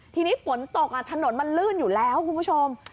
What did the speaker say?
ทีนี้ฝนตกถนนมันลื่นอยู่แล้วคุณผู้ชม